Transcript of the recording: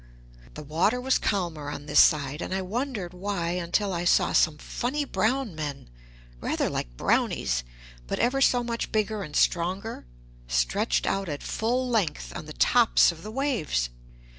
The water was calmer on this side, and I wondered why until I saw some funny brown men, rather like Brownies, but ever so much bigger and stronger, stretched out at full length on the tops of the waves.